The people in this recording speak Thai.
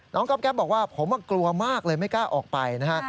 ก๊อบแป๊บบอกว่าผมกลัวมากเลยไม่กล้าออกไปนะฮะ